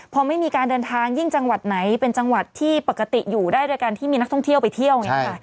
พอไม่มีการเดินทางยิ่งจังหวัดไหนเป็นจังหวัดที่ปกติอยู่ได้โดยการที่มีนักท่องเที่ยวไปเที่ยวเนี่ยค่ะ